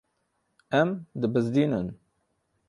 Em dibizdînin.